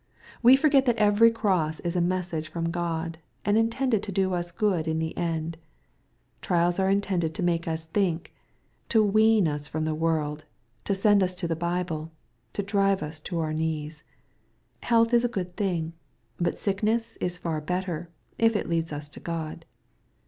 We forget that every cross is a message from God, and intended to do us good in the end. Trials are intended to make us think, — to wean us from the world, — ^tosend us to the Bible, — to drive us to our knees. Health is a good thing ; but sickness is far better, if it leads us to God.